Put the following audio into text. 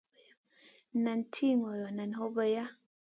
Nan tih ŋolo, nan hobeya.